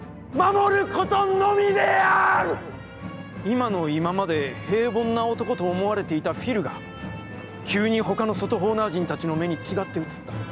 今の今まで平凡な男と思われていたフィルが、急にほかの外ホーナー人たちの目にちがって映った。